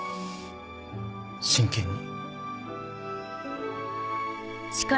真剣に。